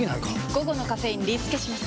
午後のカフェインリスケします！